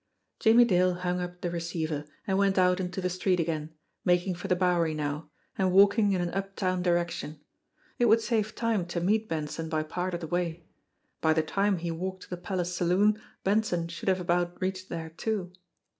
Jimmie Dale hung up the receiver and went out into the street again, making for the Bowery now, and walking in an uptown direction. It would save time to meet Benson by part of the way. By the time he walked to the Palace Saloon, Benson should have about reached there too.